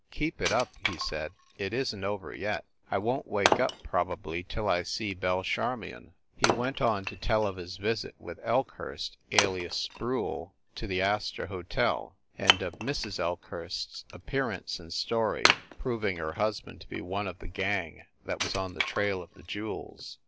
"Keep it up!" he said, "it isn t over yet ! I won t wake up, probably, till I see Belle Channion." He went on to tell of his visit with Elkhurst, alias Sproule, to the Hotel Astor, and of Mrs. Elkhurst s appearance and story, proving her husband to be one of the gang that was on the trail of the jewels.